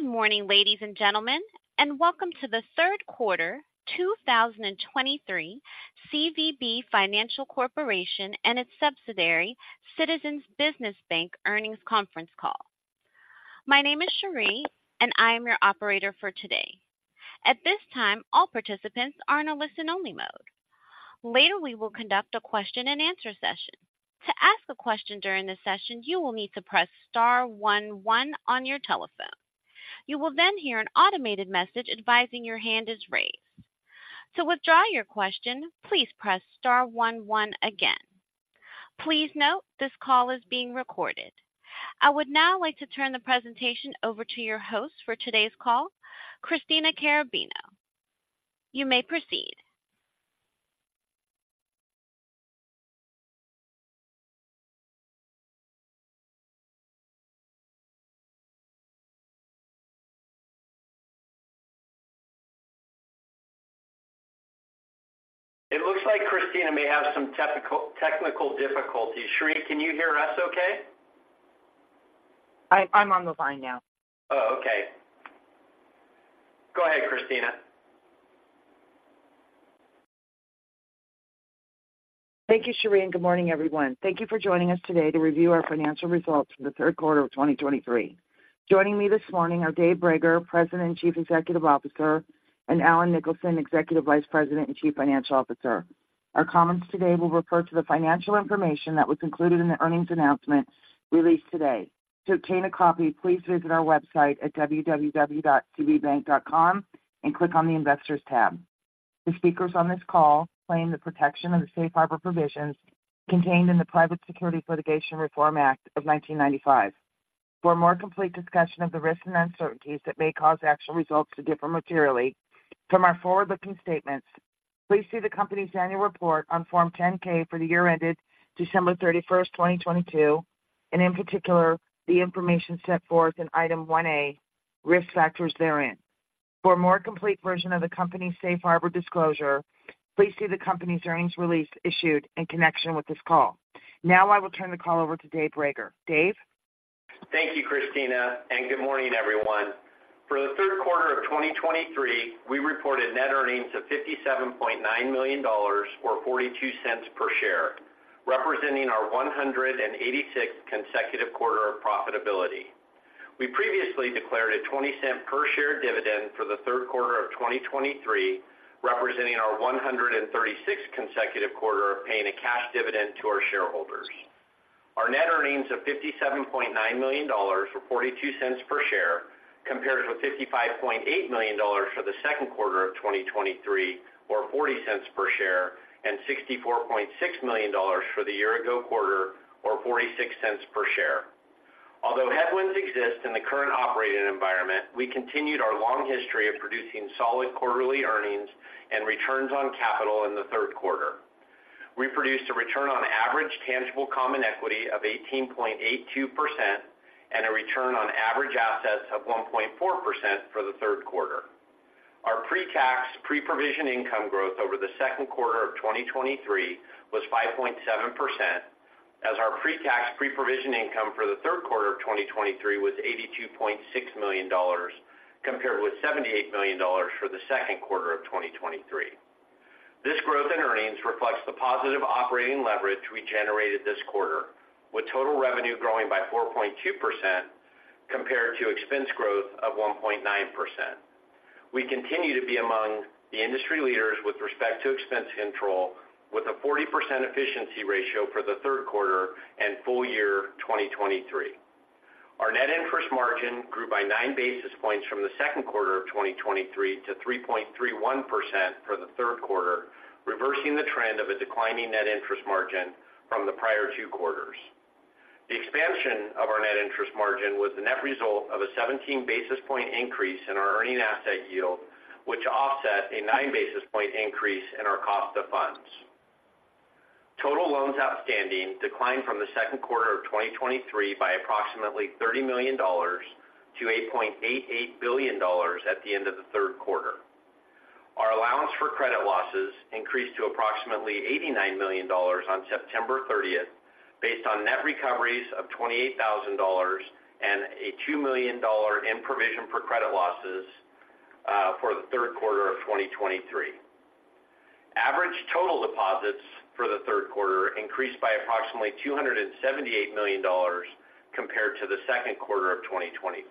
Good morning, ladies and gentlemen, and Welcome to the Third quarter 2023 CVB Financial Corporation and its subsidiary, Citizens Business Bank earnings conference call. My name is Cherie, and I am your operator for today. At this time, all participants are in a listen-only mode. Later, we will conduct a question-and-answer session. To ask a question during this session, you will need to press star one one on your telephone. You will then hear an automated message advising your hand is raised. To withdraw your question, please press star one one again. Please note, this call is being recorded. I would now like to turn the presentation over to your host for today's call, Christina Carrabino. You may proceed. It looks like Christina may have some technical difficulties. Cherie, can you hear us okay? I'm on the line now. Oh, okay. Go ahead, Christina. Thank you, Cherie, and good morning, everyone. Thank you for joining us today to review our financial results for the third quarter of 2023. Joining me this morning are Dave Brager, President and Chief Executive Officer, and Allen Nicholson, Executive Vice President and Chief Financial Officer. Our comments today will refer to the financial information that was included in the earnings announcement released today. To obtain a copy, please visit our website at www.cbbank.com and click on the Investors tab. The speakers on this call claim the protection of the Safe Harbor Provisions contained in the Private Securities Litigation Reform Act of 1995. For a more complete discussion of the risks and uncertainties that may cause actual results to differ materially from our forward-looking statements, please see the company's annual report on Form 10-K for the year ended December 31, 2022, and in particular, the information set forth in Item 1A, Risk Factors therein. For a more complete version of the company's Safe Harbor disclosure, please see the company's earnings release issued in connection with this call. Now I will turn the call over to Dave Brager. Dave? Thank you, Christina, and good morning, everyone. For the third quarter of 2023, we reported net earnings of $57.9 million to $0.42 per share, representing our 186 consecutive quarter of profitability. We previously declared a $0.20 per share dividend for the third quarter of 2023, representing our 136 consecutive quarter of paying a cash dividend to our shareholders. Our net earnings of $57.9 million ot $0.42 per share compares with $55.8 million for the second quarter of 2023 or $0.40 per share, and $64.6 million for the year ago quarter or $0.46 per share. Although headwinds exist in the current operating environment, we continued our long history of producing solid quarterly earnings and returns on capital in the third quarter. We produced a return on average tangible common equity of 18.82% and a return on average assets of 1.4% for the third quarter. Our pre-tax, pre-provision income growth over the second quarter of 2023 was 5.7%, as our pre-tax, pre-provision income for the third quarter of 2023 was $82.6 million, compared with $78 million for the second quarter of 2023. This growth in earnings reflects the positive operating leverage we generated this quarter, with total revenue growing by 4.2% compared to expense growth of 1.9%. We continue to be among the industry leaders with respect to expense control, with a 40% efficiency ratio for the third quarter and full year 2023. Our net interest margin grew by 9 basis points from the second quarter of 2023 to 3.31% for the third quarter, reversing the trend of a declining net interest margin from the prior two quarters. The expansion of our net interest margin was the net result of a 17 basis point increase in our earning asset yield, which offset a 9 basis point increase in our cost of funds. Total loans outstanding declined from the second quarter of 2023 by approximately $30 million to $8.88 billion at the end of the third quarter. Our allowance for credit losses increased to approximately $89 million on September thirtieth, based on net recoveries of $28,000 to a $2 million provision for credit losses for the third quarter of 2023. Average total deposits for the third quarter increased by approximately $278 million compared to the second quarter of 2023.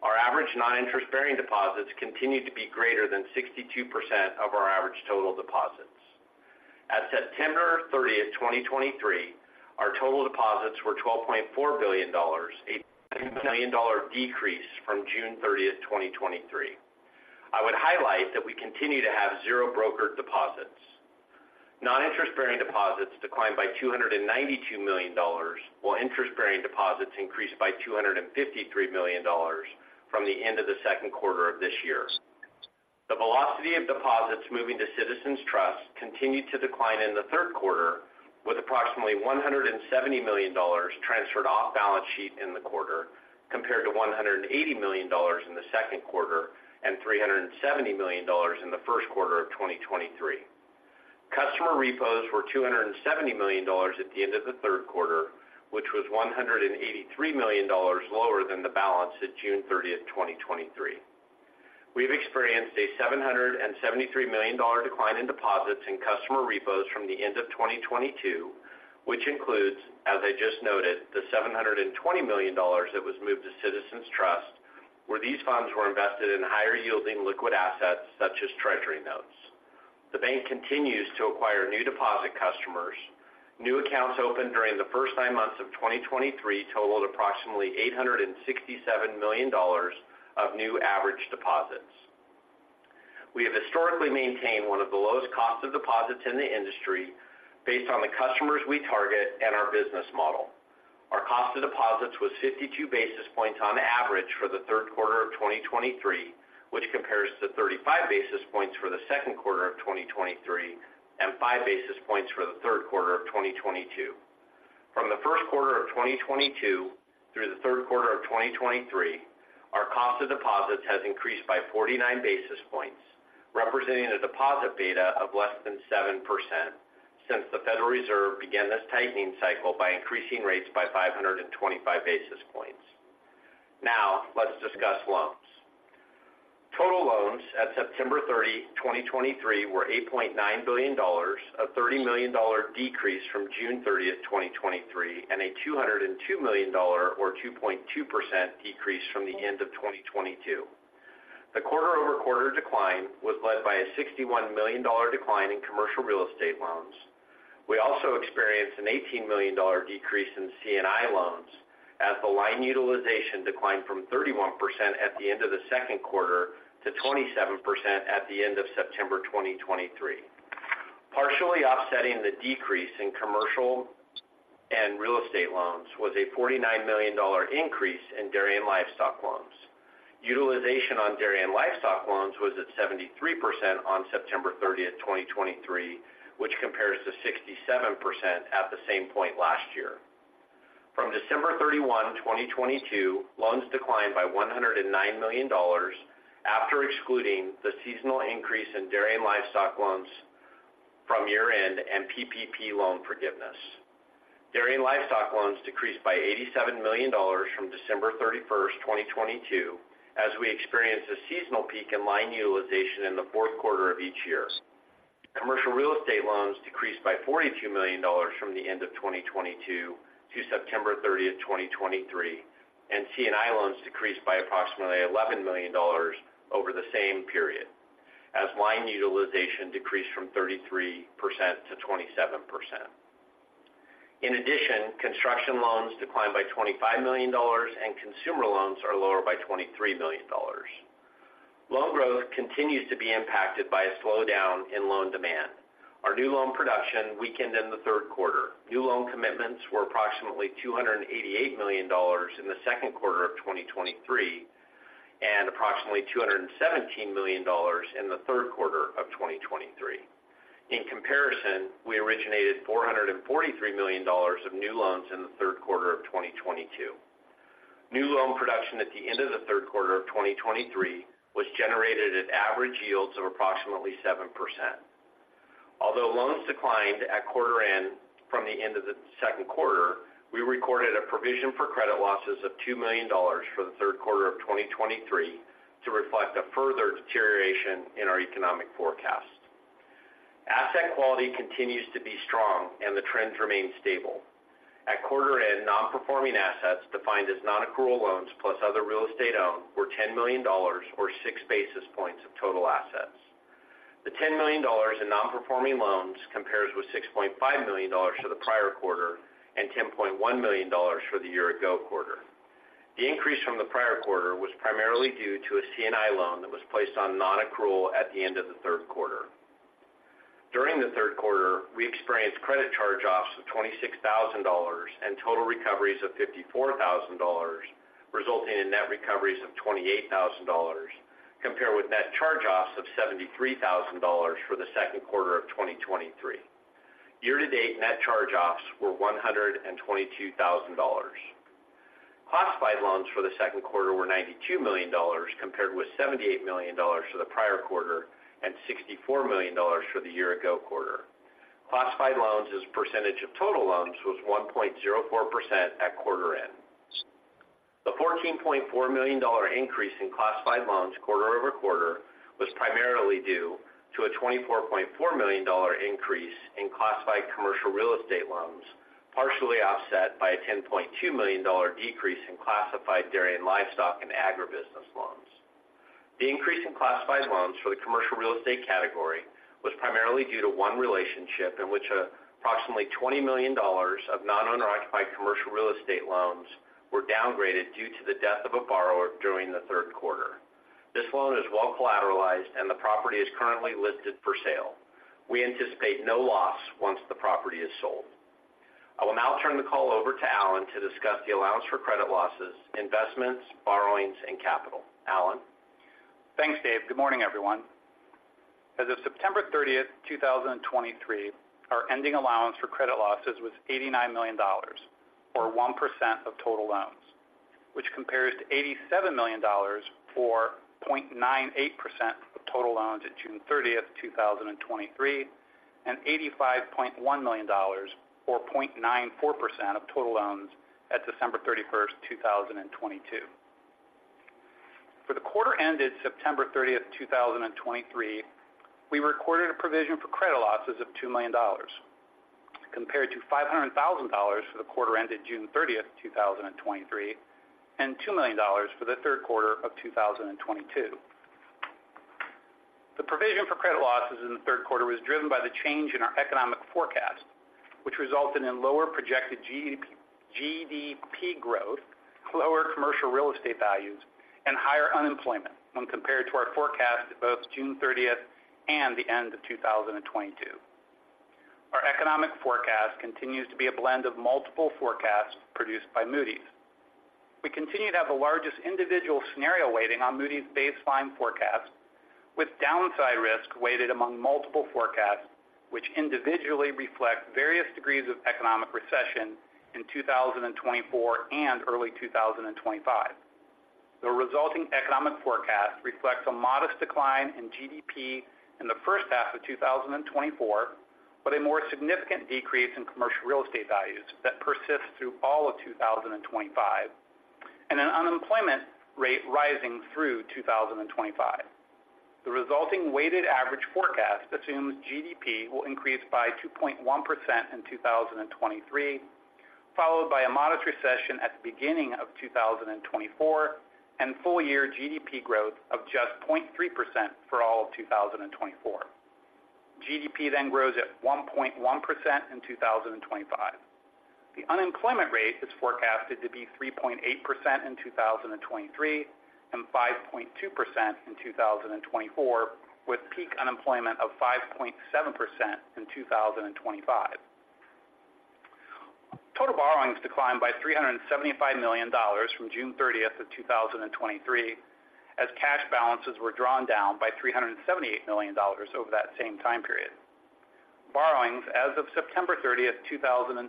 Our average noninterest-bearing deposits continued to be greater than 62% of our average total deposits. At September 30, 2023, our total deposits were $12.4 billion, a $1 million decrease from June 30, 2023. I would highlight that we continue to have zero brokered deposits. Noninterest-bearing deposits declined by $292 million, while interest-bearing deposits increased by $253 million from the end of the second quarter of this year. The velocity of deposits moving to CitizensTrust continued to decline in the third quarter, with approximately $170 million transferred off balance sheet in the quarter, compared to $180 million in the second quarter and $370 million in the first quarter of 2023. Customer repos were $270 million at the end of the third quarter, which was $183 million lower than the balance at June 30, 2023. We've experienced a $773 million decline in deposits and customer repos from the end of 2022, which includes, as I just noted, the $720 million that was moved to CitizensTrust, where these funds were invested in higher-yielding liquid assets such as T-notes. The bank continues to acquire new deposit customers. New accounts opened during the first nine months of 2023 totaled approximately $867 million of new average deposits. We have historically maintained one of the lowest cost of deposits in the industry based on the customers we target and our business model. Our cost of deposits was 52 basis points on average for the third quarter of 2023, which compares to 35 basis points for the second quarter of 2023 and 5 basis points for the third quarter of 2022. From the first quarter of 2022 through the third quarter of 2023, our cost of deposits has increased by 49 basis points, representing a deposit beta of less than 7% since the Federal Reserve began this tightening cycle by increasing rates by 525 basis points. Now, let's discuss loans. Total loans at September 30, 2023, were $8.9 billion to $30 million decrease from June 30, 2023, and a $202 million or 2.2% decrease from the end of 2022. The quarter-over-quarter decline was led by a $61 million decline in commercial real estate loans. We also experienced an $18 million decrease in C&I loans, as the line utilization declined from 31% at the end of the second quarter to 27% at the end of September 2023. Partially offsetting the decrease in commercial and real estate loans was a $49 million increase in dairy and livestock loans. Utilization on dairy and livestock loans was at 73% on September 30, 2023, which compares to 67% at the same point last year. From December 31, 2022, loans declined by $109 million after excluding the seasonal increase in dairy and livestock loans from year-end and PPP loan forgiveness. Dairy and livestock loans decreased by $87 million from December 31, 2022, as we experienced a seasonal peak in line utilization in the fourth quarter of each year. Commercial real estate loans decreased by $42 million from the end of 2022 to September 30, 2023, and C&I loans decreased by approximately $11 million over the same period, as line utilization decreased from 33% to 27%. In addition, construction loans declined by $25 million, and consumer loans are lower by $23 million. Loan growth continues to be impacted by a slowdown in loan demand. Our new loan production weakened in the third quarter. New loan commitments were approximately $288 million in the second quarter of 2023 and approximately $217 million in the third quarter of 2023. In comparison, we originated $443 million of new loans in the third quarter of 2022. New loan production at the end of the third quarter of 2023 was generated at average yields of approximately 7%. Although loans declined at quarter end from the end of the second quarter, we recorded a provision for credit losses of $2 million for the third quarter of 2023 to reflect a further deterioration in our economic forecast. Asset quality continues to be strong, and the trends remain stable. At quarter end, nonperforming assets, defined as nonaccrual loans plus other real estate owned, were $10 million or 6 basis points of total assets. The $10 million in nonperforming loans compares with $6.5 million for the prior quarter and $10.1 million for the year ago quarter. The increase from the prior quarter was primarily due to a C&I loan that was placed on nonaccrual at the end of the third quarter. During the third quarter, we experienced credit charge-offs of $26,000 and total recoveries of $54,000, resulting in net recoveries of $28,000, compared with net charge-offs of $73,000 for the second quarter of 2023. Year-to-date net charge-offs were $122,000. Classified loans for the second quarter were $92 million, compared with $78 million for the prior quarter and $64 million for the year-ago quarter. Classified loans as a percentage of total loans was 1.04% at quarter end. The $14.4 million increase in classified loans quarter-over-quarter was primarily due to a $24.4 million increase in classified commercial real estate loans, partially offset by a $10.2 million decrease in classified dairy and livestock and agribusiness loans. The increase in classified loans for the commercial real estate category was primarily due to one relationship in which approximately $20 million of non-owner occupied commercial real estate loans were downgraded due to the death of a borrower during the third quarter. This loan is well collateralized, and the property is currently listed for sale. We anticipate no loss once the property is sold. I will now turn the call over to Allen to discuss the allowance for credit losses, investments, borrowings, and capital. Allen? Thanks, Dave. Good morning, everyone. As of September 30, 2023, our ending allowance for credit losses was $89 million, or 1% of total loans, which compares to $87 million or 0.98% of total loans at June 30, 2023, and $85.1 million or 0.94% of total loans at December 31, 2022. For the quarter ended September 30, 2023, we recorded a provision for credit losses of $2 million, compared to $500,000 for the quarter ended June 30, 2023, and $2 million for the third quarter of 2022. The provision for credit losses in the third quarter was driven by the change in our economic forecast, which resulted in lower projected GDP, GDP growth, lower commercial real estate values, and higher unemployment when compared to our forecast at both June 30 and the end of 2022. Our economic forecast continues to be a blend of multiple forecasts produced by Moody's. We continue to have the largest individual scenario weighting on Moody's baseline forecast, with downside risk weighted among multiple forecasts, which individually reflect various degrees of economic recession in 2024 and early 2025. The resulting economic forecast reflects a modest decline in GDP in the first half of 2024, but a more significant decrease in commercial real estate values that persist through all of 2025, and an unemployment rate rising through 2025. The resulting weighted average forecast assumes GDP will increase by 2.1% in 2023, followed by a modest recession at the beginning of 2024 and full year GDP growth of just 0.3% for all of 2024. GDP then grows at 1.1% in 2025. The unemployment rate is forecasted to be 3.8% in 2023 and 5.2% in 2024, with peak unemployment of 5.7% in 2025. Total borrowings declined by $375 million from June 30, 2023, as cash balances were drawn down by $378 million over that same time period. Borrowings as of September 30, 2023,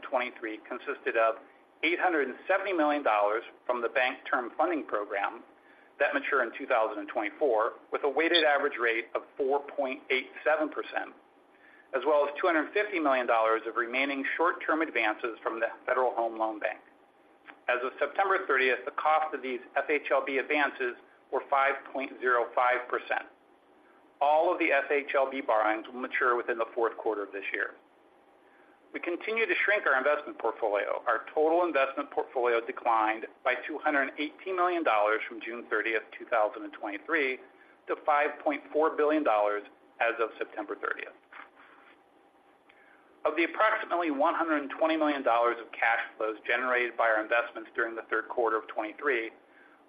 consisted of $870 million from the Bank Term Funding Program that mature in 2024, with a weighted average rate of 4.87%, as well as $250 million of remaining short-term advances from the Federal Home Loan Bank. As of September 30, the cost of these FHLB advances were 5.05%. All of the FHLB borrowings will mature within the fourth quarter of this year. We continue to shrink our investment portfolio. Our total investment portfolio declined by $218 million from June 30, 2023, to $5.4 billion as of September 30th, Of the approximately $120 million of cash flows generated by our investments during the third quarter of 2023,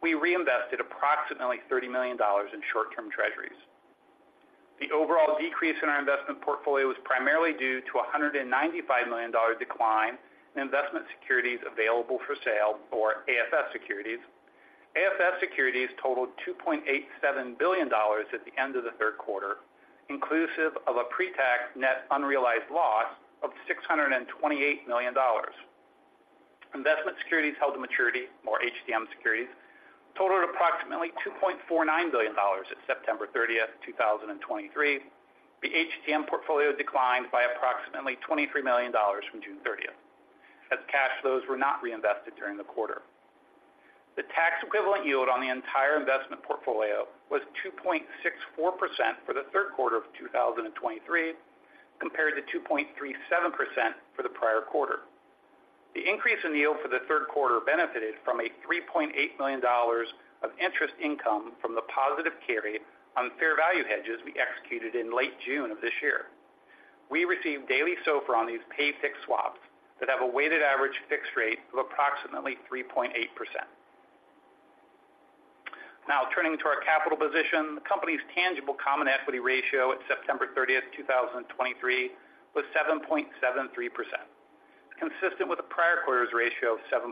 we reinvested approximately $30 million in Short-term Treasuries The overall decrease in our investment portfolio was primarily due to a $195 million decline in investment securities available for sale or AFS securities. AFS securities totaled $2.87 billion at the end of the third quarter, inclusive of a pretax net unrealized loss of $628 million. Investment securities held to maturity, or HTM securities, totaled approximately $2.49 billion at September 30, 2023. The HTM portfolio declined by approximately $23 million from June 30th, as cash flows were not reinvested during the quarter. The tax equivalent yield on the entire investment portfolio was 2.64% for the third quarter of 2023, compared to 2.37% for the prior quarter. The increase in yield for the third quarter benefited from a $3.8 million of interest income from the positive carry on fair value hedges we executed in late June of this year. We received daily Secured Overnight Financing Rate on these pay fixed swaps that have a weighted average fixed rate of approximately 3.8%. Now turning to our capital position. The company's tangible common equity ratio at September 30, 2023, was 7.73%, consistent with the prior quarter's ratio of 7.75%,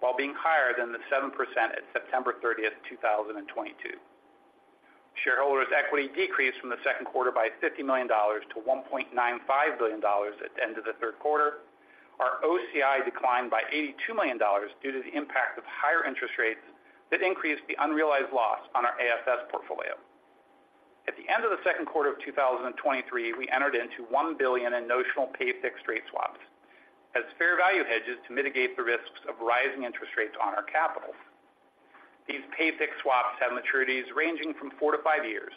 while being higher than the 7% at September 30, 2022. Shareholders' equity decreased from the second quarter by $50 million to $1.95 billion at the end of the third quarter. Our OCI declined by $82 million due to the impact of higher interest rates that increased the unrealized loss on our AFS portfolio. At the end of the second quarter of 2023, we entered into $1 billion in notional pay fixed rate swaps as fair value hedges to mitigate the risks of rising interest rates on our capital. These pay fixed swaps have maturities ranging from four-five years.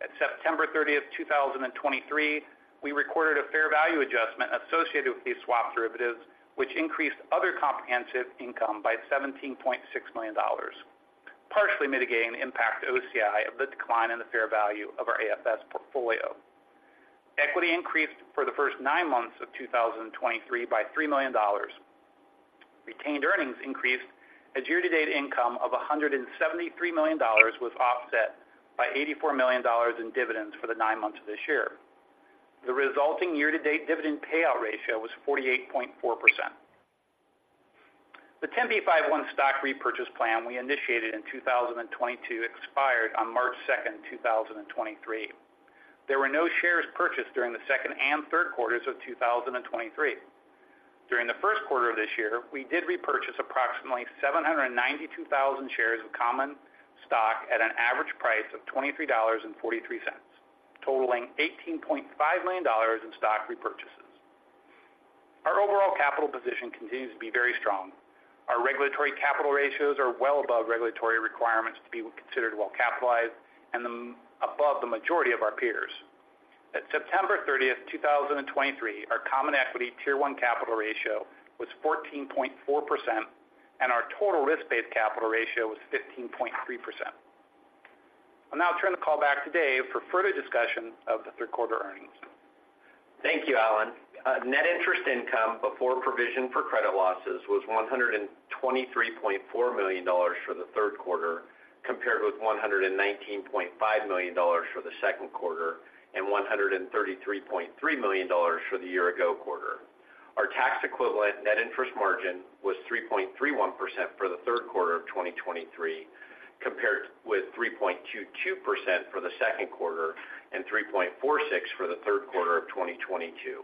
At September 30, 2023, we recorded a fair value adjustment associated with these swap derivatives, which increased other comprehensive income by $17.6 million, partially mitigating the impact to Other Comprehensive Income of the decline in the fair value of our Available-for-Sale portfolio. Equity increased for the first nine months of 2023 by $3 million. Retained earnings increased as year-to-date income of $173 million was offset by $84 million in dividends for the nine months of this year. The resulting year-to-date dividend payout ratio was 48.4%. The 10b5-1 stock repurchase plan we initiated in 2022 expired on March 2, 2023. There were no shares purchased during the second and third quarters of 2023. During the first quarter of this year, we did repurchase approximately 792,000 shares of common stock at an average price of $23.43, totaling $18.5 million in stock repurchases. Our overall capital position continues to be very strong. Our regulatory capital ratios are well above regulatory requirements to be considered well capitalized and above the majority of our peers. At September 30, 2023, our Common Equity Tier One capital ratio was 14.4%, and our total risk-based capital ratio was 15.3%. I'll now turn the call back to Dave for further discussion of the third quarter earnings. Thank you, Allen. Net interest income before provision for credit losses was $123.4 million for the third quarter, compared with $119.5 million for the second quarter and $133.3 million for the year ago quarter. Our tax equivalent net interest margin was 3.31% for the third quarter of 2023, compared with 3.22% for the second quarter and 3.46% for the third quarter of 2022.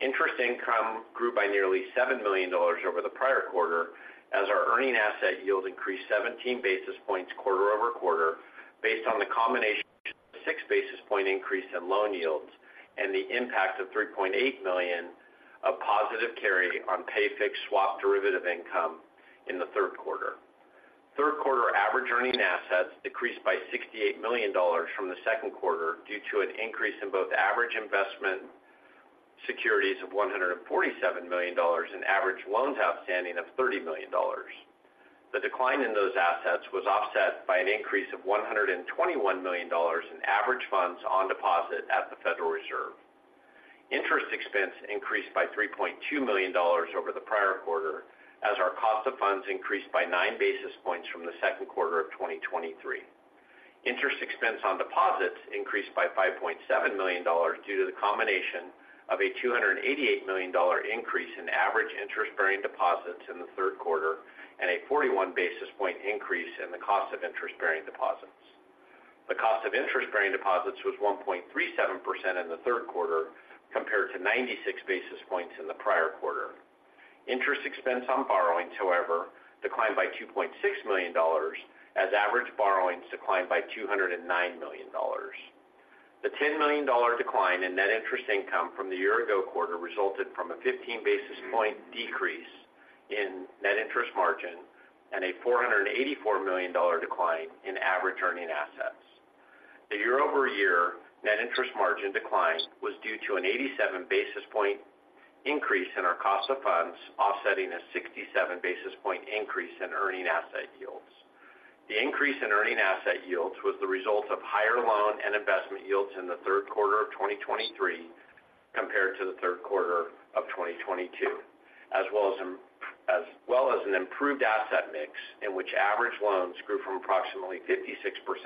Interest income grew by nearly $7 million over the prior quarter as our earning asset yield increased 17 basis points quarter over quarter, based on the combination of 6 basis point increase in loan yields and the impact of $3.8 million of positive carry on pay fixed swap derivative income in the third quarter. Third quarter average earning assets decreased by $68 million from the second quarter due to an increase in both average investment securities of $147 million and average loans outstanding of $30 million. The decline in those assets was offset by an increase of $121 million in average funds on deposit at the Federal Reserve. Interest expense increased by $3.2 million over the prior quarter as our cost of funds increased by 9 basis points from the second quarter of 2023. Interest expense on deposits increased by $5.7 million due to the combination of a $288 million increase in average interest-bearing deposits in the third quarter and a 41 basis point increase in the cost of interest-bearing deposits. The cost of interest-bearing deposits was 1.37% in the third quarter compared to 96 basis points in the prior quarter. Interest expense on borrowings, however, declined by $2.6 million, as average borrowings declined by $209 million. The $10 million decline in net interest income from the year-ago quarter resulted from a 15 basis point decrease in net interest margin and a $484 million decline in average earning assets. The year-over-year net interest margin decline was due to an 87 basis point increase in our cost of funds, offsetting a 67 basis point increase in earning asset yields. The increase in earning asset yields was the result of higher loan and investment yields in the third quarter of 2023 compared to the third quarter of 2022, as well as an improved asset mix, in which average loans grew from approximately 56%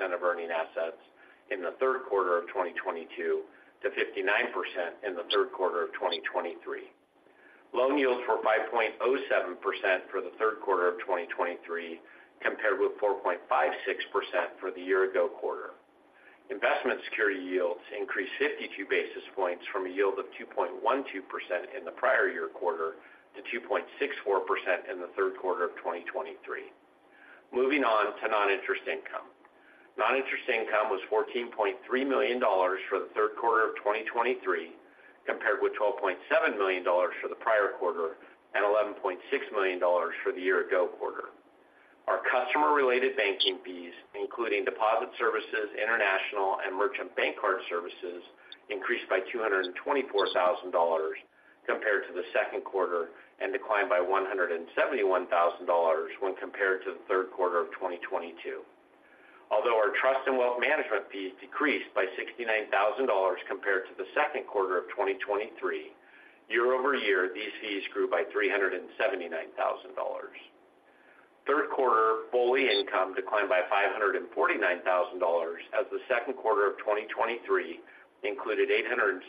of earning assets in the third quarter of 2022 to 59% in the third quarter of 2023. Loan yields were 5.07% for the third quarter of 2023, compared with 4.56% for the year-ago quarter. Investment security yields increased 52 basis points from a yield of 2.12% in the prior-year quarter to 2.64% in the third quarter of 2023. Moving on to non-interest income. Non-interest income was $14.3 million for the third quarter of 2023, compared with $12.7 million for the prior quarter and $11.6 million for the year-ago quarter. Our customer-related banking fees, including deposit services, international, and merchant bank card services, increased by $224 thousand compared to the second quarter and declined by $171 thousand when compared to the third quarter of 2022. Although our trust and wealth management fees decreased by $69,000 compared to the second quarter of 2023, year-over-year, these fees grew by $379,000. Third quarter BOLI income declined by $549,000, as the second quarter of 2023 included $806,000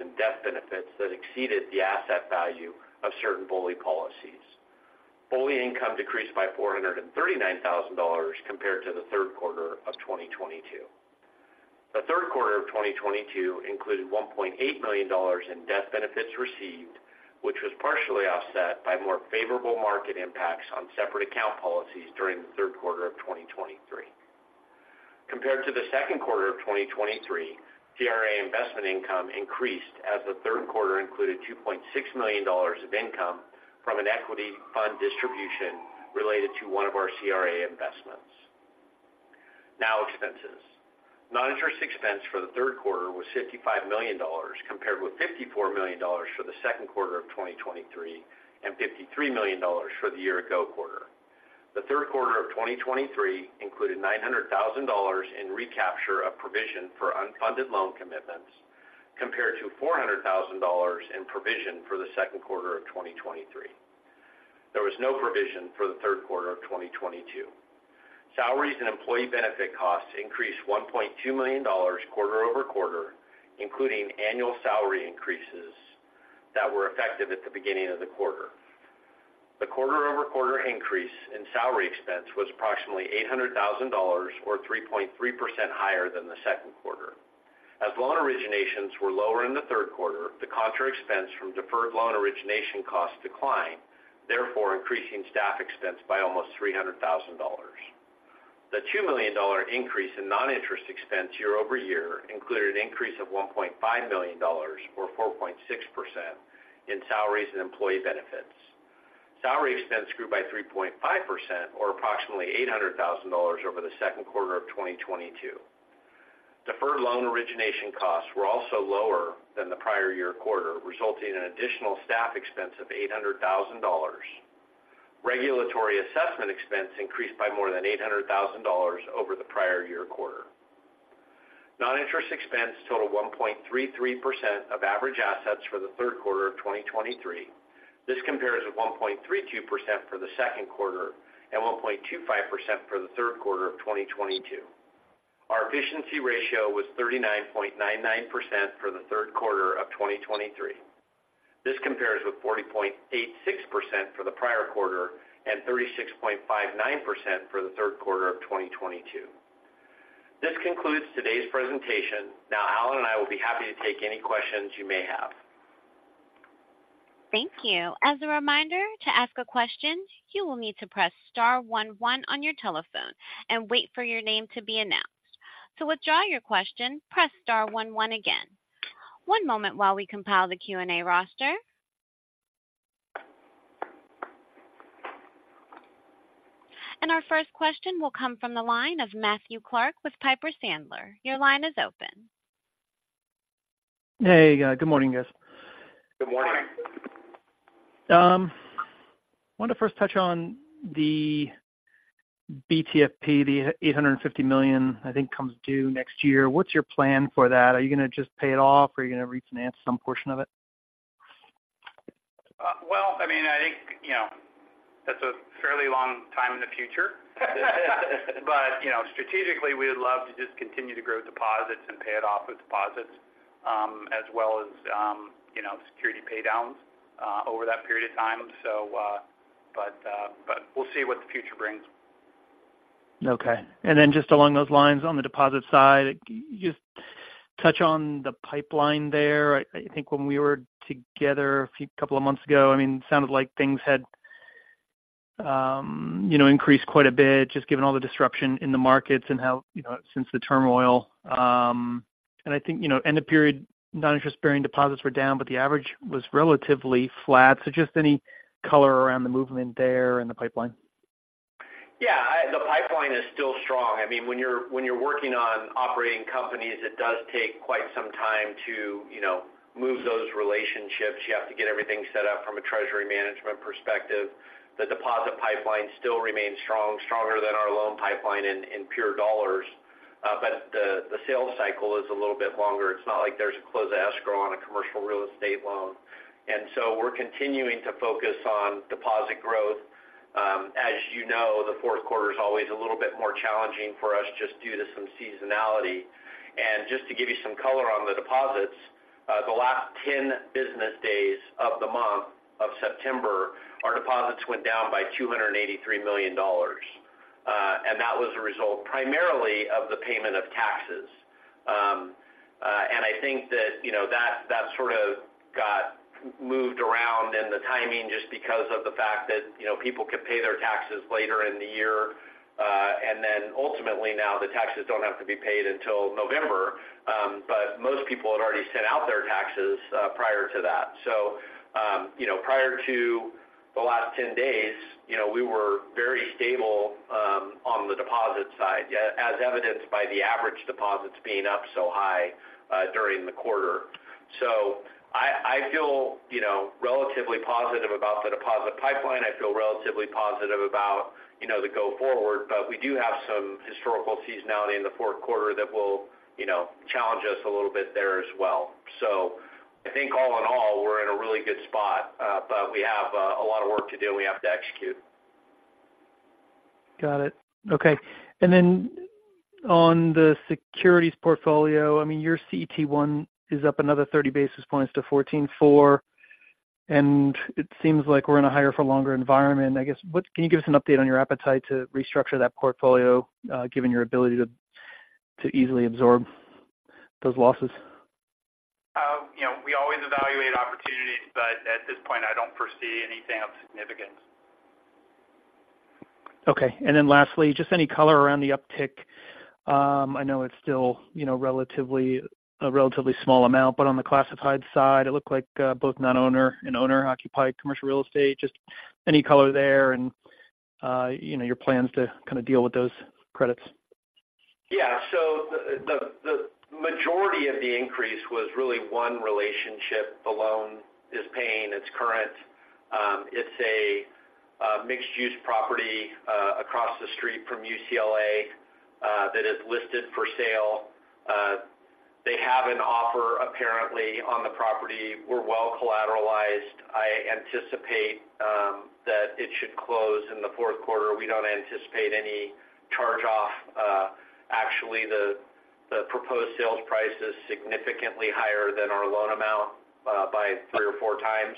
in death benefits that exceeded the asset value of certain BOLI policies. BOLI income decreased by $439,000 compared to the third quarter of 2022. The third quarter of 2022 included $1.8 million in death benefits received, which was partially offset by more favorable market impacts on separate account policies during the third quarter of 2023. Compared to the second quarter of 2023, CRA investment income increased as the third quarter included $2.6 million of income from an equity fund distribution related to one of our CRA investments. Now expenses. Non-interest expense for the third quarter was $55 million, compared with $54 million for the second quarter of 2023, and $53 million for the year ago quarter. The third quarter of 2023 included $900,000 in recapture of provision for unfunded loan commitments, compared to $400,000 in provision for the second quarter of 2023. There was no provision for the third quarter of 2022. Salaries and employee benefit costs increased $1.2 million quarter-over-quarter, including annual salary increases that were effective at the beginning of the quarter. The quarter-over-quarter increase in salary expense was approximately $800,000 or 3.3% higher than the second quarter. As loan originations were lower in the third quarter, the contra expense from deferred loan origination costs declined, therefore increasing staff expense by almost $300,000. The $2 million increase in non-interest expense year-over-year included an increase of $1.5 million or 4.6% in salaries and employee benefits. Salary expense grew by 3.5% or approximately $800,000 over the second quarter of 2022. Deferred loan origination costs were also lower than the prior year quarter, resulting in additional staff expense of $800,000. Regulatory assessment expense increased by more than $800,000 over the prior year quarter. Non-interest expense totaled 1.33% of average assets for the third quarter of 2023. This compares with 1.32% for the second quarter and 1.25% for the third quarter of 2022. Our efficiency ratio was 39.99% for the third quarter of 2023. This compares with 40.86% for the prior quarter and 36.59% for the third quarter of 2022. This concludes today's presentation. Now, Allen and I will be happy to take any questions you may have. Thank you. As a reminder, to ask a question, you will need to press star one one on your telephone and wait for your name to be announced. To withdraw your question, press star one one again. One moment while we compile the Q&A roster. Our first question will come from the line of Matthew Clark with Piper Sandler. Your line is open. Hey, good morning, guys. Good morning. I want to first touch on the BTFP. The $850 million, I think, comes due next year. What's your plan for that? Are you going to just pay it off, or are you going to refinance some portion of it? Well, I mean, I think, you know, that's a fairly long time in the future. But, you know, strategically, we would love to just continue to grow deposits and pay it off with deposits, as well as, you know, security pay downs, over that period of time. But we'll see what the future brings. Okay. And then just along those lines, on the deposit side, just touch on the pipeline there. I think when we were together a few couple of months ago, I mean, it sounded like things had, you know, increased quite a bit, just given all the disruption in the markets and how, you know, since the turmoil. And I think, you know, end of period, noninterest-bearing deposits were down, but the average was relatively flat. So just any color around the movement there and the pipeline. Yeah, the pipeline is still strong. I mean, when you're working on operating companies, it does take quite some time to, you know, move those relationships. You have to get everything set up from a treasury management perspective. The deposit pipeline still remains strong, stronger than our loan pipeline in pure dollars. But the sales cycle is a little bit longer. It's not like there's a closed escrow on a commercial real estate loan. And so we're continuing to focus on deposit growth. As you know, the fourth quarter is always a little bit more challenging for us just due to some seasonality. And just to give you some color on the deposits, the last 10 business days of the month of September, our deposits went down by $283 million. And that was a result primarily of the payment of taxes. And I think that, you know, that sort of got moved around in the timing just because of the fact that, you know, people could pay their taxes later in the year, and then ultimately now the taxes don't have to be paid until November. But most people had already sent out their taxes, prior to that. So, you know, prior to the last 10 days, you know, we were very stable, on the deposit side, yeah, as evidenced by the average deposits being up so high, during the quarter. So I feel, you know, relatively positive about the deposit pipeline. I feel relatively positive about, you know, the go forward, but we do have some historical seasonality in the fourth quarter that will, you know, challenge us a little bit there as well. So I think all in all, we're in a really good spot, a lot of work to do, and we have to execute. Got it. Okay. And then on the securities portfolio, I mean, your CET1 is up another 30 basis points to 14.4, and it seems like we're in a higher for longer environment. I guess, what can you give us an update on your appetite to restructure that portfolio, given your ability to easily absorb those losses? You know, we always evaluate opportunities, but at this point, I don't foresee anything of significance. Okay. And then lastly, just any color around the uptick. I know it's still, you know, relatively a small amount, but on the classified side, it looked like both non-owner and owner-occupied commercial real estate. Just any color there and, you know, your plans to kind of deal with those credits. Yeah. So the majority of the increase was really one relationship. The loan is paying, it's current. It's a mixed-use property across the street from UCLA that is listed for sale. They have an offer, apparently, on the property. We're well collateralized. I anticipate that it should close in the fourth quarter. We don't anticipate any charge-off. Actually, the proposed sales price is significantly higher than our loan amount by three or four times.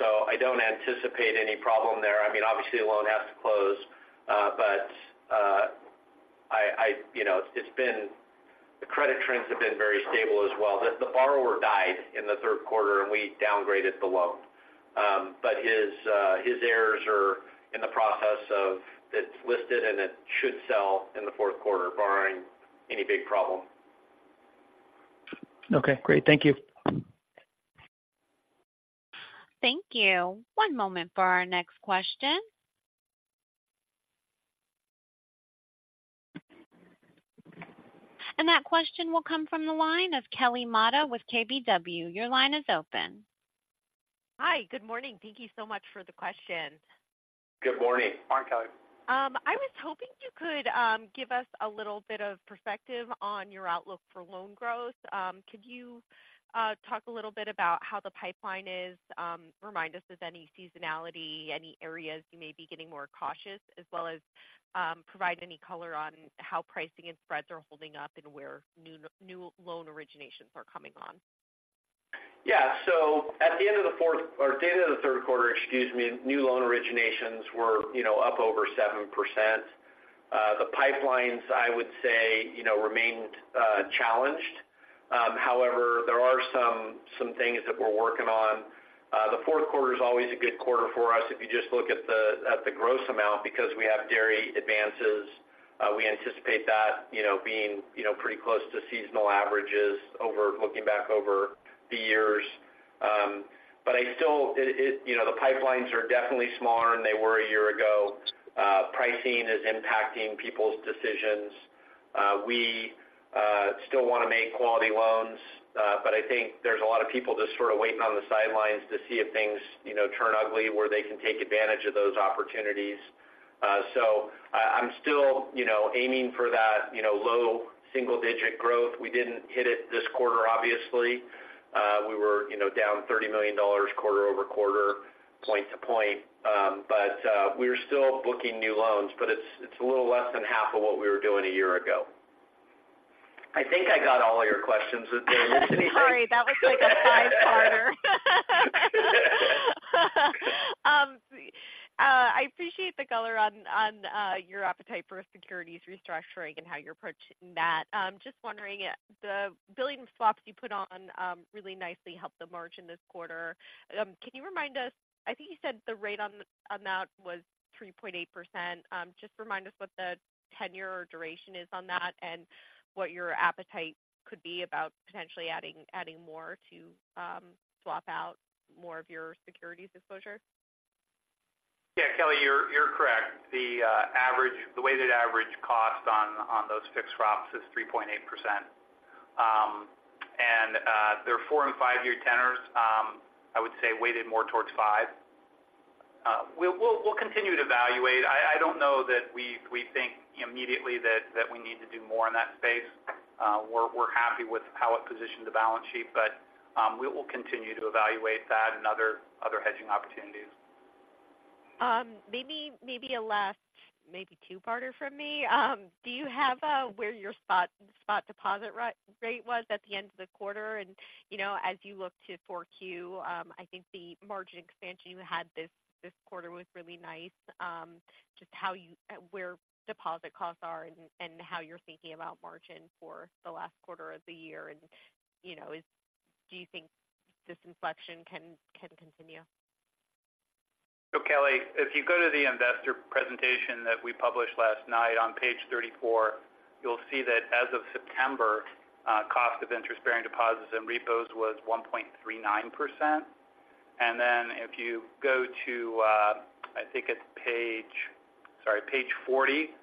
So I don't anticipate any problem there. I mean, obviously, the loan has to close. But you know, the credit trends have been very stable as well. The borrower died in the third quarter, and we downgraded the loan. But his heirs are in the process of, it's listed, and it should sell in the fourth quarter, barring any big problem. Okay, great. Thank you. Thank you. One moment for our next question. And that question will come from the line of Kelly Motta with KBW. Your line is open. Hi, good morning. Thank you so much for the question. Good morning. Hi, Kelly. I was hoping you could give us a little bit of perspective on your outlook for loan growth? Could you talk a little bit about how the pipeline is? Remind us of any seasonality, any areas you may be getting more cautious, as well as provide any color on how pricing and spreads are holding up and where new loan originations are coming on? Yeah. So at the end of the fourth, or at the end of the third quarter, excuse me, new loan originations were, you know, up over 7%. The pipelines, I would say, you know, remained challenged. However, there are some things that we're working on. The fourth quarter is always a good quarter for us, if you just look at the gross amount, because we have dairy advances. We anticipate that, you know, being pretty close to seasonal averages over-- looking back over the years. But I still, it-- you know, the pipelines are definitely smaller than they were a year ago. Pricing is impacting people's decisions. We still want to make quality loans, but I think there's a lot of people just sort of waiting on the sidelines to see if things, you know, turn ugly, where they can take advantage of those opportunities. So I'm still, you know, aiming for that, you know, low double single-digit growth. We didn't hit it this quarter, obviously. We were, you know, down $30 million quarter-over-quarter, point to point. But we're still booking new loans, but it's a little less than half of what we were doing a year ago. I think I got all your questions. Was there anything- Sorry, that was like a 5-parter. I appreciate the color on, on, your appetite for securities restructuring and how you're approaching that. Just wondering, the $1 billion swaps you put on, really nicely helped the margin this quarter. Can you remind us? I think you said the rate on the amount was 3.8%. Just remind us what the tenure or duration is on that, and what your appetite could be about potentially adding, adding more to, swap out more of your securities exposure. Yeah, Kelly, you're correct. The average—the weighted average cost on those fixed drops is 3.8%. And they're 4- and 5-year tenors, I would say weighted more towards 5. We'll continue to evaluate. I don't know that we think immediately that we need to do more in that space. We're happy with how it positioned the balance sheet, but we will continue to evaluate that and other hedging opportunities. Maybe a last two-parter from me. Do you have where your spot deposit rate was at the end of the quarter? And, you know, as you look to 4Q, I think the margin expansion you had this quarter was really nice. Just how you— where deposit costs are and how you're thinking about margin for the last quarter of the year. And, you know, do you think this inflection can continue? So, Kelly, if you go to the investor presentation that we published last night, on page 34, you'll see that as of September, cost of interest-bearing deposits and repos was 1.39%. And then if you go to, I think it's page... Sorry, page 40,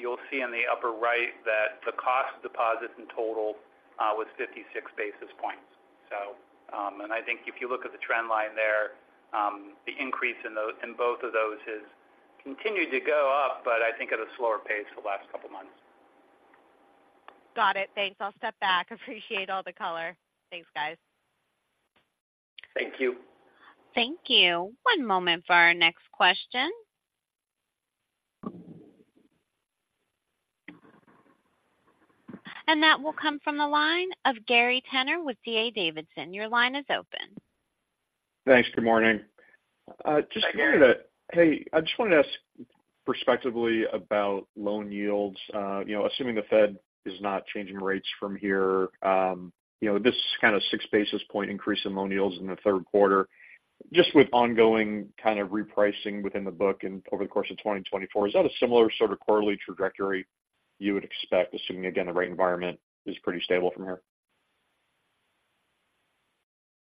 you'll see in the upper right that the cost of deposits in total was 56 basis points. So, and I think if you look at the trend line there, the increase in both of those has continued to go up, but I think at a slower pace the last couple of months. Got it. Thanks. I'll step back. Appreciate all the color. Thanks, guys. Thank you. Thank you. One moment for our next question. That will come from the line of Gary Tenner with D.A. Davidson. Your line is open. Thanks. Good morning. Hi, Gary. Hey, I just wanted to ask prospectively about loan yields. You know, assuming the Fed is not changing rates from here, you know, this kind of six basis point increase in loan yields in the third quarter, just with ongoing kind of repricing within the book and over the course of 2024, is that a similar sort of quarterly trajectory you would expect, assuming, again, the rate environment is pretty stable from here?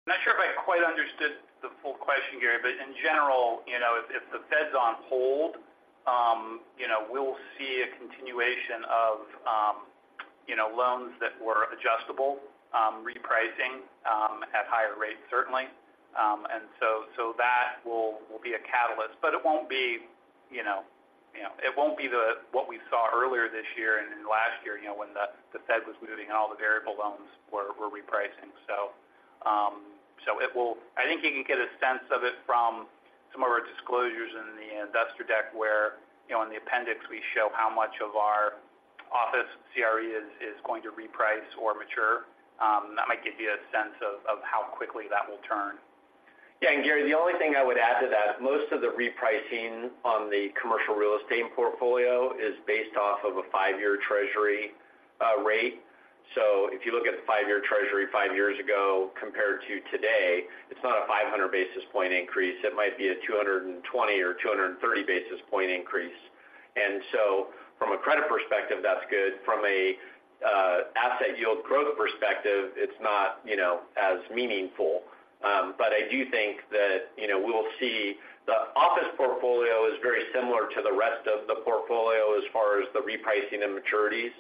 I'm not sure if I quite understood the full question, Gary, but in general, you know, if the Fed's on hold, you know, we'll see a continuation of, you know, loans that were adjustable, repricing at higher rates, certainly. You know, and that will be a catalyst, but it won't be, you know, it won't be what we saw earlier this year and last year, you know, when the Fed was moving, all the variable loans were repricing. I think you can get a sense of it from some of our disclosures in the investor deck, where, you know, in the appendix, we show how much of our office CRE is going to reprice or mature. That might give you a sense of how quickly that will turn. Yeah, and Gary, the only thing I would add to that, most of the repricing on the commercial real estate portfolio is based off of a five-year Treasury rate. So if you look at the five-year Treasury five years ago compared to today, it's not a 500 basis point increase. It might be a 220 or 230 basis point increase. And so from a credit perspective, that's good. From a asset yield growth perspective, it's not, you know, as meaningful. But I do think that, you know, we'll see the office portfolio is very similar to the rest of the portfolio as far as the repricing and maturities.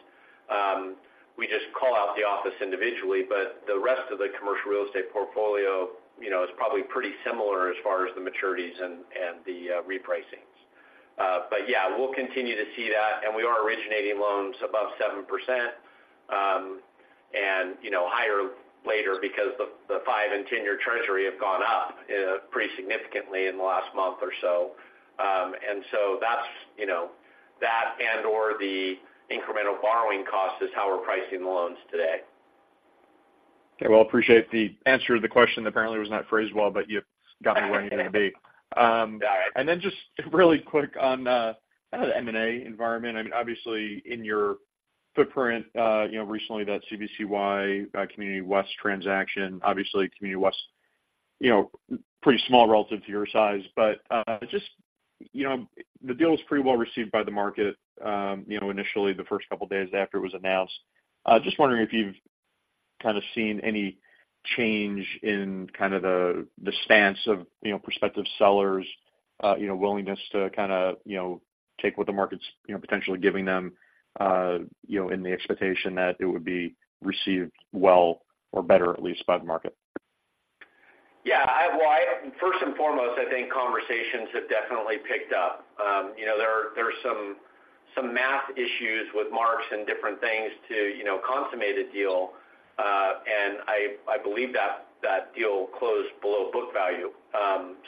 We just call out the office individually, but the rest of the commercial real estate portfolio, you know, is probably pretty similar as far as the maturities and the repricings. But yeah, we'll continue to see that, and we are originating loans above 7%, and, you know, higher later because the five- and ten-year Treasury have gone up pretty significantly in the last month or so. And so that's, you know, that and or the incremental borrowing cost is how we're pricing the loans today. Okay. Well, I appreciate the answer to the question. Apparently, it was not phrased well, but you got me where I need to be. Got it. And then just really quick on kind of the M&A environment. I mean, obviously in your footprint, you know, recently, that CWBC, Community West transaction, obviously Community West, you know, pretty small relative to your size. But just, you know, the deal was pretty well received by the market, you know, initially the first couple of days after it was announced. Just wondering if you've kind of seen any change in kind of the stance of, you know, prospective sellers, you know, willingness to kind of, you know, take what the market's, you know, potentially giving them, you know, in the expectation that it would be received well or better, at least by the market. Yeah, well, first and foremost, I think conversations have definitely picked up. You know, there are some math issues with marks and different things to, you know, consummate a deal, and I believe that deal closed below book value.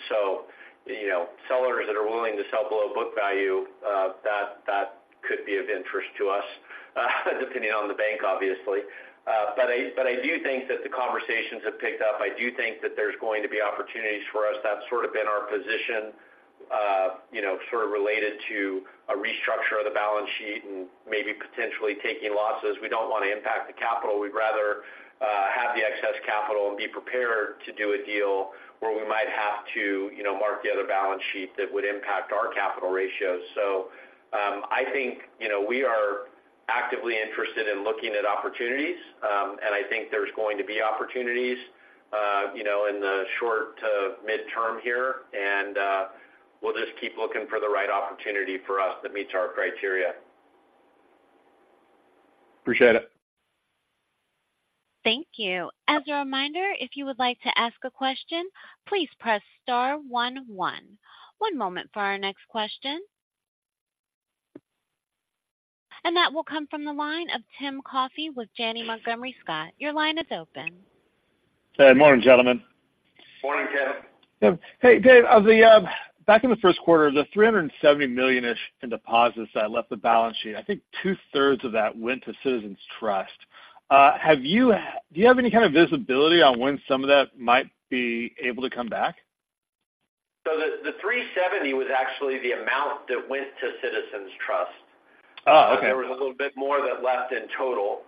So, you know, sellers that are willing to sell below book value, that could be of interest to us, depending on the bank, obviously. But I do think that the conversations have picked up. I do think that there's going to be opportunities for us. That's sort of been our position, you know, sort of related to a restructure of the balance sheet and maybe potentially taking losses. We don't want to impact the capital. We'd rather have the excess capital and be prepared to do a deal where we might have to, you know, mark the other balance sheet that would impact our capital ratios. So, I think, you know, we are actively interested in looking at opportunities, and I think there's going to be opportunities, you know, in the short to midterm here, and we'll just keep looking for the right opportunity for us that meets our criteria. Appreciate it. Thank you. As a reminder, if you would like to ask a question, please press star one, one. One moment for our next question. That will come from the line of Tim Coffey with Janney Montgomery Scott. Your line is open. Hey, morning, gentlemen. Morning, Tim. Hey, Dave, back in the first quarter, the $370 million-ish in deposits that left the balance sheet, I think two-thirds of that went to Citizens Trust. Have you—do you have any kind of visibility on when some of that might be able to come back? So the 370 was actually the amount that went to Citizens Trust. Oh, okay. There was a little bit more that left in total.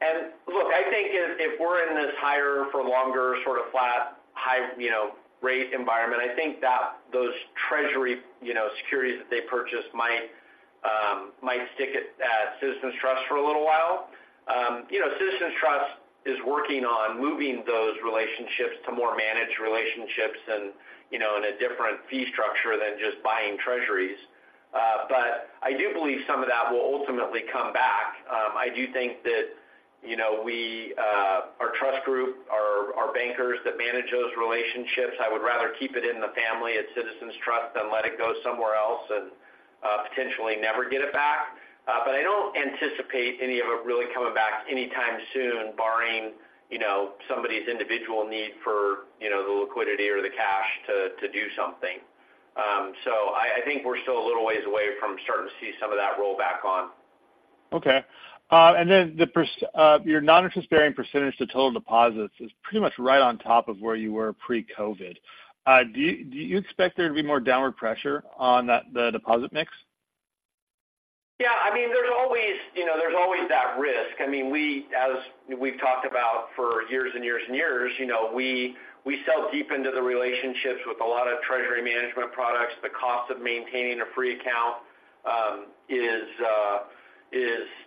And look, I think if, if we're in this higher for longer sort of flat, high, you know, rate environment, I think that those treasury, you know, securities that they purchased might, might stick at, at Citizens Trust for a little while. You know, Citizens Trust is working on moving those relationships to more managed relationships and, you know, in a different fee structure than just buying treasuries. But I do believe some of that will ultimately come back. I do think that, you know, we, our trust group, our, our bankers that manage those relationships, I would rather keep it in the family at Citizens Trust than let it go somewhere else and, potentially never get it back. But I don't anticipate any of it really coming back anytime soon, barring, you know, somebody's individual need for, you know, the liquidity or the cash to do something. So I think we're still a little ways away from starting to see some of that roll back on. Okay. And then the pers-- your noninterest-bearing percentage to total deposits is pretty much right on top of where you were pre-COVID. Do you expect there to be more downward pressure on that, the deposit mix? Yeah, I mean, there's always, you know, there's always that risk. I mean, we, as we've talked about for years and years and years, you know, we, we sell deep into the relationships with a lot of treasury management products. The cost of maintaining a free account is,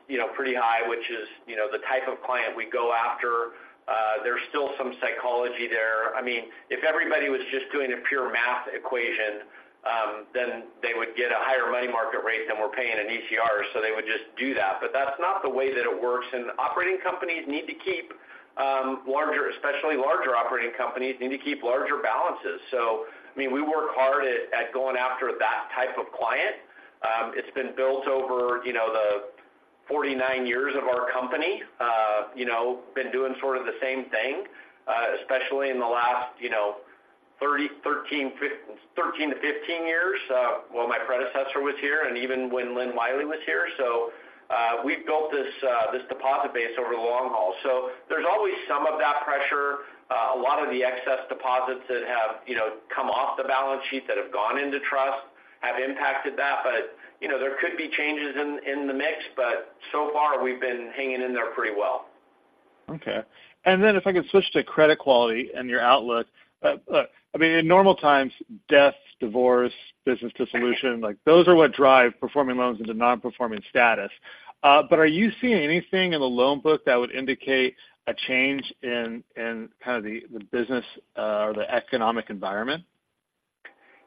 you know, pretty high, which is, you know, the type of client we go after. There's still some psychology there. I mean, if everybody was just doing a pure math equation, then they would get a higher money market rate than we're paying in ECR, so they would just do that. But that's not the way that it works, and operating companies need to keep larger, especially larger operating companies, need to keep larger balances. So I mean, we work hard at going after that type of client. It's been built over, you know, the 49 years of our Company, you know, been doing sort of the same thing, especially in the last, you know, 30, 13, 15, 13 to 15 years, while my predecessor was here, and even when Linn Wiley was here. So, we've built this deposit base over the long haul. So there's always some of that pressure. A lot of the excess deposits that have, you know, come off the balance sheet, that have gone into trust have impacted that. But, you know, there could be changes in the mix, but so far, we've been hanging in there pretty well. Okay. Then if I could switch to credit quality and your outlook. I mean, in normal times, deaths, divorce, business dissolution, like those are what drive performing loans into non-performing status. But are you seeing anything in the loan book that would indicate a change in kind of the business or the economic environment?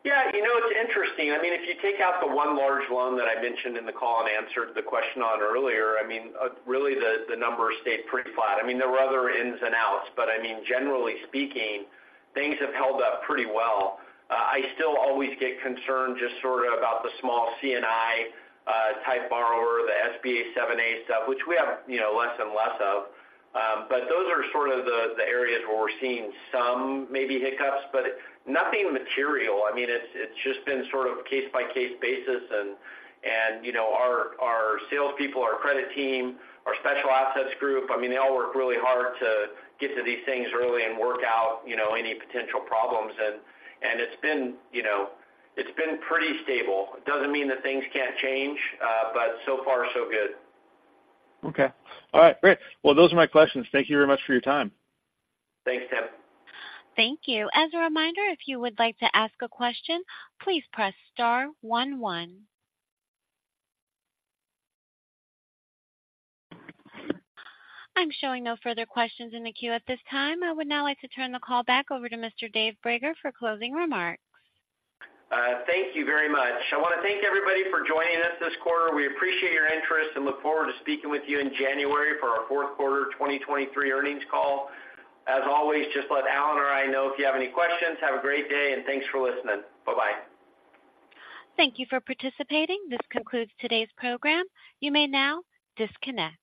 Yeah, you know, it's interesting. I mean, if you take out the one large loan that I mentioned in the call and answered the question on earlier, I mean, really, the numbers stayed pretty flat. I mean, there were other ins and outs, but I mean, generally speaking, things have held up pretty well. I still always get concerned just sort of about the small C&I, you know, type borrower, the SBA 7(a) stuff, which we have, you know, less and less of. Those are sort of the areas where we're seeing some maybe hiccups, but nothing material. I mean, it's just been sort of case-by-case basis. You know, our salespeople, our credit team, our special assets group, I mean, they all work really hard to get to these things early and work out, you know, any potential problems. it's been, you know, it's been pretty stable. It doesn't mean that things can't change, but so far, so good. Okay. All right, great. Well, those are my questions. Thank you very much for your time. Thanks, Tim. Thank you. As a reminder, if you would like to ask a question, please press star 1, 1. I'm showing no further questions in the queue at this time. I would now like to turn the call back over to Mr. Dave Brager for closing remarks. Thank you very much. I want to thank everybody for joining us this quarter. We appreciate your interest and look forward to speaking with you in January for our fourth quarter 2023 earnings call. As always, just let Allen or I know if you have any questions. Have a great day, and thanks for listening. Bye-bye. Thank you for participating. This concludes today's program. You may now disconnect.